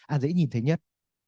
à dễ nhìn thấy nhất